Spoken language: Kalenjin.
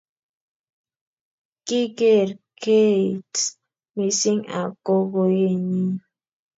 kikerkeit mising ak kokoenyin